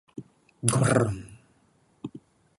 ｇｆｖｒｖ